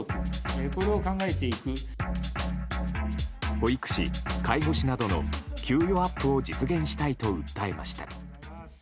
保育士・介護士などの給与アップを実現したいと訴えました。